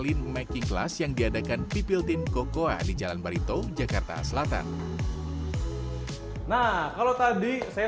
ingin memiliki platnya